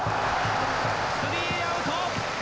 スリーアウト！